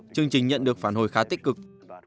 chương trình nhận được phản hồi khá tích cực